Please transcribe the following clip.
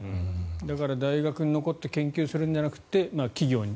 だから大学に残って研究するんじゃなくて企業に。